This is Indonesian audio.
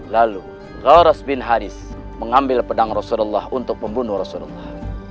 lalu choros bin haris mengambil pedang rasulullah untuk membunuh rasulullah